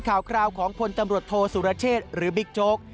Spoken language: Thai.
ข่าวคราวของพลตำรวจโทษสุรเชษหรือบิ๊กโจ๊ก